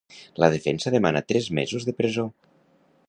La defensa demana tres mesos de presó.